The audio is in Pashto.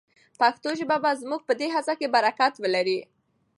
پښتو ژبه به زموږ په دې هڅه کې برکت ولري.